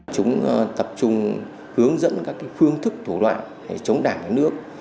chúng tập trung hướng dẫn các phương thức thủ đoạn để chống đảng nước